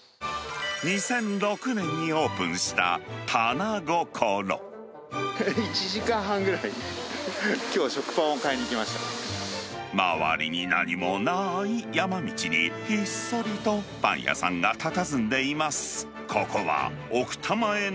２００６年にオープンしたた１時間半ぐらい、周りに何もない山道に、ひっそりとパン屋さんがたたずんでいます。